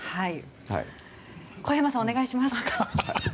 小山さん、お願いします。